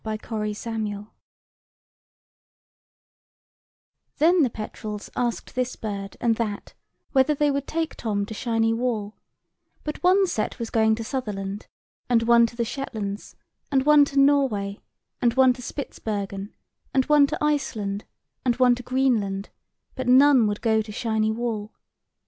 [Picture: The Scotchman] Then the petrels asked this bird and that whether they would take Tom to Shiny Wall: but one set was going to Sutherland, and one to the Shetlands, and one to Norway, and one to Spitzbergen, and one to Iceland, and one to Greenland: but none would go to Shiny Wall.